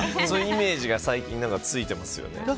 そういうイメージが最近ついてますよね。